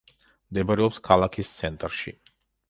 მდებარეობს ქალაქის ცენტრში.